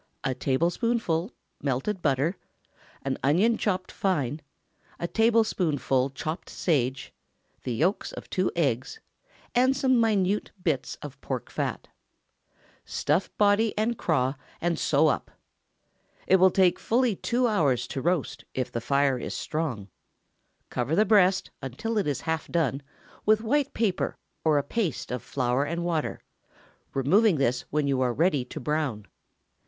a tablespoonful melted butter, an onion chopped fine, a tablespoonful chopped sage, the yolks of two eggs, and some minute bits of fat pork. Stuff body and craw, and sew up. It will take fully two hours to roast, if the fire is strong. Cover the breast, until it is half done, with white paper, or a paste of flour and water, removing this when you are ready to brown.